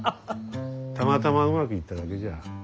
たまたまうまくいっただけじゃ。